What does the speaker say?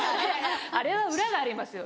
あれは裏がありますよ